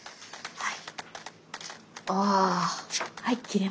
はい。